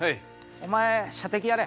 お前射的やれ。